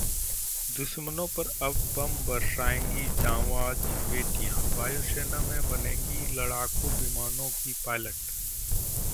दुश्मनों पर अब बम बरसाएंगी जांबाज बेटियां, वायुसेना में बनेंगी लड़ाकू विमानों की पायलट